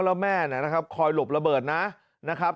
แล้วแม่นะครับคอยหลบระเบิดนะครับ